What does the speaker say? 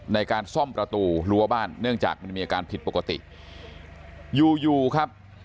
ในการซ่อมประตูลวบบ้านเงื่อจากมีอาการผิดปกติยู่ครับ